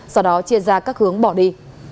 sau đó chia ra các hướng bỏ đi